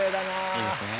いいですね。